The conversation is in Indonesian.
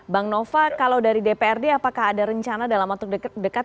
bang nova kalau dari dprd apakah ada rencana dalam waktu dekat